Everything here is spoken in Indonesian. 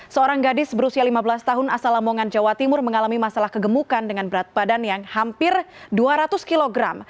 seorang gadis berusia lima belas tahun asal lamongan jawa timur mengalami masalah kegemukan dengan berat badan yang hampir dua ratus kg